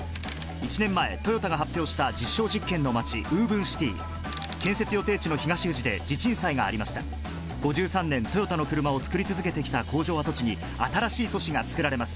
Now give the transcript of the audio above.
１年前トヨタが発表した実証実験の街ＷｏｖｅｎＣｉｔｙ建設予定地の東富士で地鎮祭がありました５３年トヨタのクルマを作り続けてきた工場跡地に新しい都市がつくられます